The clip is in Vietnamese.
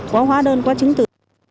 có hóa đơn có chứng tử